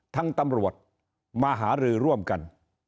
ทั้งตำรวจมหารือร่วมกัน